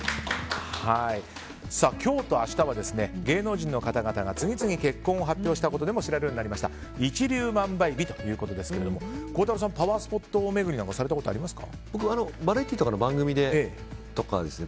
今日と明日は芸能人の方々が次々結婚を発表したことでも知られるようになりました一粒万倍日ということですが孝太郎さんパワースポット巡りなんてバラエティーとかの番組でとかですね。